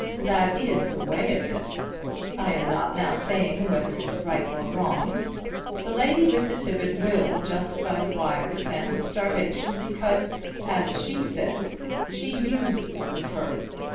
"That is the way of it. I am not now saying whether it is right or wrong. The lady with the tippet will justify the wires and the starvation because, as she will say, she uses the fur.